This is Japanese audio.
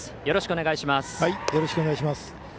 よろしくお願いします。